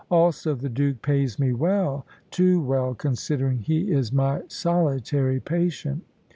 Also, the Duke pays me well too well, considering he is my solitary patient."